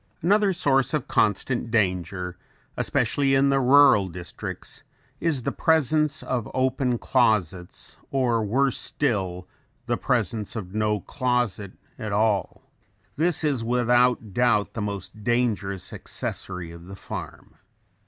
Another source of constant danger especially in the rural districts is the presence of open closets or worse still the presence of no closet at all. This is without doubt the most dangerous accessory of the farm.